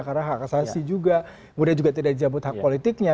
karena hak asasi juga mudah juga tidak dijemput hak politiknya